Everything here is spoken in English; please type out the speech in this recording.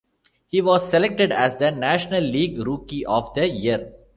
He was selected as the National League Rookie of the Year.